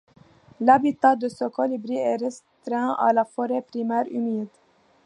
L'habitat de ce colibri est restreint à la forêt primaire humide.